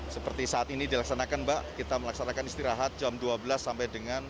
seperti saat ini dilaksanakan mbak kita melaksanakan istirahat jam dua belas sampai dengan